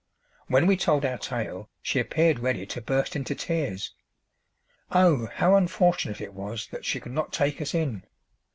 When we told our tale she appeared ready to burst into tears. Oh, how unfortunate it was that she could not take us in!